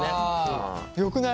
よくない？